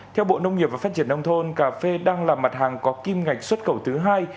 theo bộ nông nghiệp và phát triển nông thôn cà phê đang là mặt hàng có kim ngạch xuất khẩu thứ hai